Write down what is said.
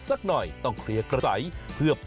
สวัสดีครับคุณพี่สวัสดีครับ